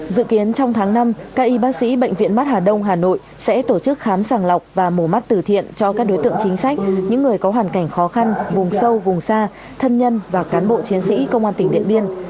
dự kiến trong tháng năm các y bác sĩ bệnh viện mắt hà đông hà nội sẽ tổ chức khám sàng lọc và mổ mắt từ thiện cho các đối tượng chính sách những người có hoàn cảnh khó khăn vùng sâu vùng xa thân nhân và cán bộ chiến sĩ công an tỉnh điện biên